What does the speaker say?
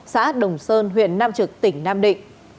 xã đồng sơn huyện nam trực tỉnh nam định